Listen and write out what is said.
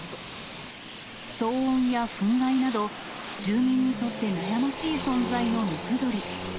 騒音やふん害など、住民にとって悩ましい存在のムクドリ。